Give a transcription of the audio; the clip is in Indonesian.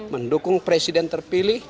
mendukung presiden terpilih